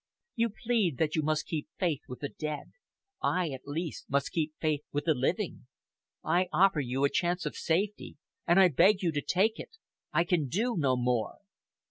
You plead that you must keep faith with the dead. I, at least, must keep faith with the living. I offer you a chance of safety, and I beg you to take it. I can do no more."